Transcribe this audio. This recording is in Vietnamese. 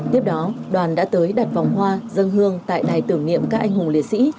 tiếp đó đoàn đã tới đặt vòng hoa dân hương tại đài tưởng niệm các anh hùng liệt sĩ